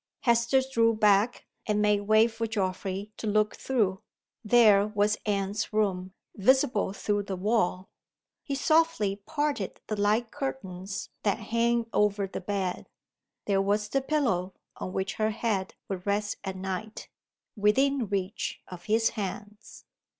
Hester drew back, and made way for Geoffrey to look through. There was Anne's room, visible through the wall! He softly parted the light curtains that hang over the bed. There was the pillow, on which her head would rest at night, within reach of his hands!